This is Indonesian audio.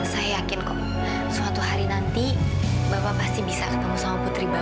saya yakin kok suatu hari nanti bapak pasti bisa ketemu sama putri bapak